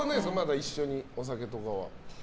一緒にお酒とかは。